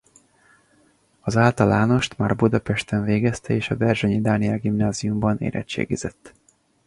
Az általánost már Budapesten végezte és a Berzsenyi Dániel Gimnáziumban érettségizett.